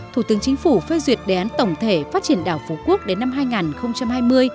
thủ tướng chính phủ phê duyệt đề án tổng thể phát triển đảo phú quốc đến năm hai nghìn hai mươi